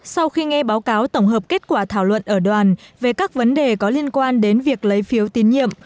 sau khi nghe báo cáo tổng hợp kết quả thảo luận ở đoàn về các vấn đề có liên quan đến việc lấy phiếu tín nhiệm